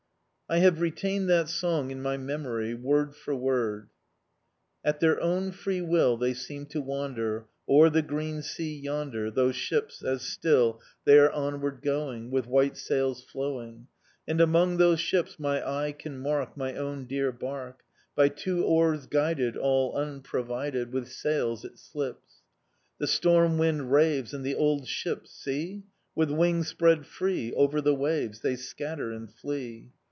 I have retained that song in my memory, word for word: At their own free will They seem to wander O'er the green sea yonder, Those ships, as still They are onward going, With white sails flowing. And among those ships My eye can mark My own dear barque: By two oars guided (All unprovided With sails) it slips. The storm wind raves: And the old ships see! With wings spread free, Over the waves They scatter and flee!